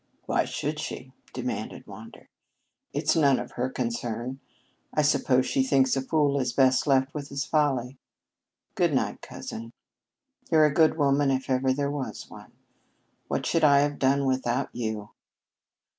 "Why should she?" demanded Wander. "It's none of her concern. I suppose she thinks a fool is best left with his folly. Good night, cousin. You're a good woman if ever there was one. What should I have done without you?"